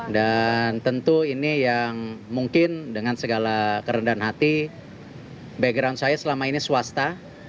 dan tentu ini yang mungkin dengan segala kerendahan hati background saya selama ini swasta